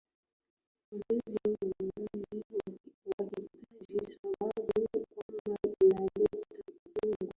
uzela huumm wakitaja sababu kwamba inaleta kidogo